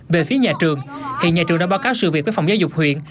về phía nhà trường hiện nhà trường đã báo cáo sự việc với phòng giáo dục huyện